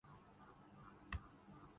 آج ارزاں ہو کوئی حرف شناسائی کا